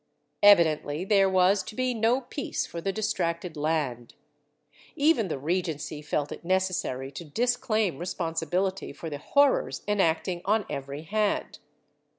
Evi dently there was to be no peace for the distracted land.^ Even the Regency felt it necessary to disclaim responsibility for the horrors enacting on every hand.